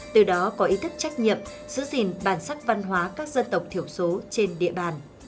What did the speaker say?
từ đó có ý thức trách nhiệm giữ gìn bản sắc văn hóa các dân tộc thiểu số trên địa bàn